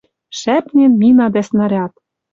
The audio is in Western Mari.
Шӓпнен мина дӓ снаряд.